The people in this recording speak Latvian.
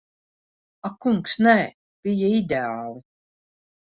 Ak kungs, nē. Bija ideāli.